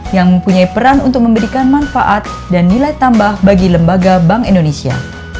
yang mempunyai peran untuk memberikan manfaat dan nilai tambah bagi lembaga bank indonesia